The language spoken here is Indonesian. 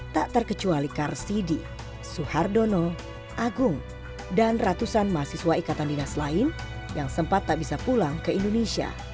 tak terkecuali karsidi suhardono agung dan ratusan mahasiswa ikatan dinas lain yang sempat tak bisa pulang ke indonesia